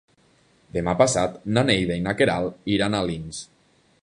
Demà passat na Neida i na Queralt iran a Alins.